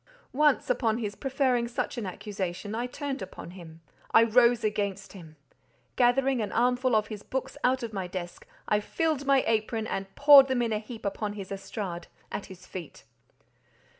Once, upon his preferring such an accusation, I turned upon him—I rose against him. Gathering an armful of his books out of my desk, I filled my apron and poured them in a heap upon his estrade, at his feet.